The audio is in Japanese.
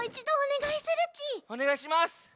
おねがいします。